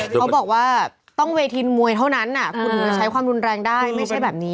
เขาบอกว่าต้องเวทีมวยเท่านั้นคุณถึงจะใช้ความรุนแรงได้ไม่ใช่แบบนี้